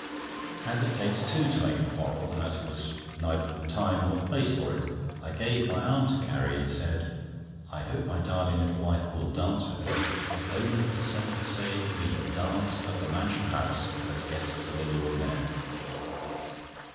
As it takes two to make a quarrel, and as it was neither the time nor the place for it, I gave my arm to Carrie, and said: "I hope my darling little wife will dance with me, if only for the sake of saying we had danced at the Mansion House as guests of the Lord Mayor."